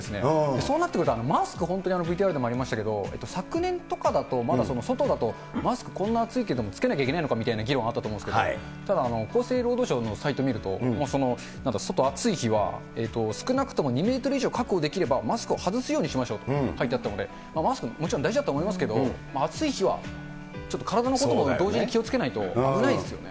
そうなってくるとマスク、本当にＶＴＲでもありましたけど、昨年とかだと、まだ外だとマスク、こんな暑いけど着けなきゃいけないのかみたいな議論あったと思うんですけど、ただ、厚生労働省のサイト見ると、もう、なんか外暑い日は、少なくとも２メートル以上確保できれば、マスクを外すようにしましょうと書いてあったので、マスクもちろん大事だと思いますけれども、暑い日はちょっと体のことも同時に気をつけないと危ないですよね。